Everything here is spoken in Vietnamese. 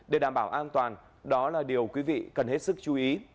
để đảm bảo an toàn đó là điều quý vị cần hết sức chú ý